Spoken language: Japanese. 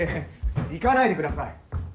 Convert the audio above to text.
行かないでください。